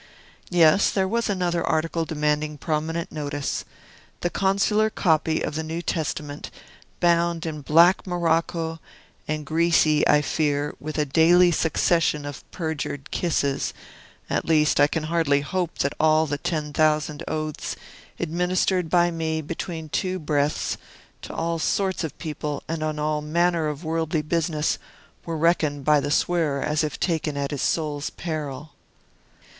Yes; there was one other article demanding prominent notice: the consular copy of the New Testament, bound in black morocco, and greasy, I fear, with a daily succession of perjured kisses; at least, I can hardly hope that all the ten thousand oaths, administered by me between two breaths, to all sorts of people and on all manner of worldly business, were reckoned by the swearer as if taken at his soul's peril.